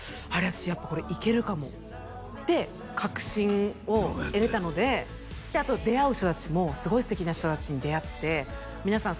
私やっぱこれ行けるかもって確信を得られたのでであと出会う人達もすごい素敵な人達に出会って皆さん